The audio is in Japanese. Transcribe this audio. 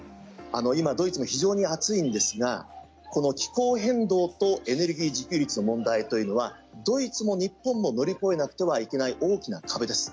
今、ドイツも非常に暑いんですがこの気候変動とエネルギー自給率の問題というのはドイツも日本も乗り越えなくてはいけない大きな壁です。